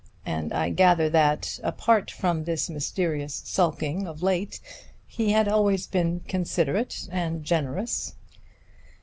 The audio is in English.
And I gather that, apart from this mysterious sulking of late, he had always been considerate and generous."